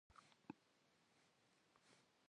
Jjıgıjır yitu, jjıgış'er yobet.